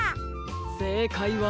せいかいは。